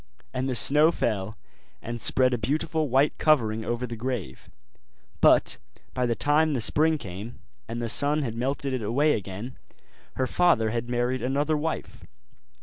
And the snow fell and spread a beautiful white covering over the grave; but by the time the spring came, and the sun had melted it away again, her father had married another wife.